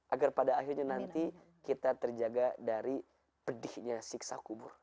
agar pada akhirnya nanti kita terjaga dari pedihnya siksa kubur